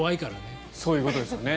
そういうことですね。